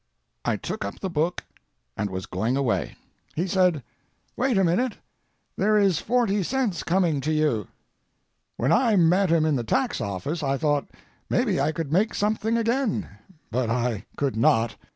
I took up the book and was going away. He said: "Wait a minute. There is forty cents coming to you." When I met him in the tax office I thought maybe I could make something again, but I could not.